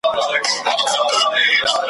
د ښار خلک که زاړه وه که ځوانان وه `